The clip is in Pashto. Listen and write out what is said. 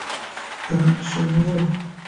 ځان شرمول